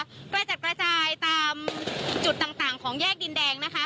กระจัดกระจายตามจุดต่างของแยกดินแดงนะคะ